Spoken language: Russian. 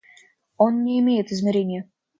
Он не имеет измерения.